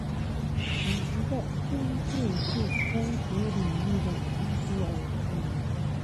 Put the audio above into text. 以其在非线性光学领域的研究而知名。